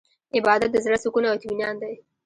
عبادت د زړه سکون او اطمینان دی.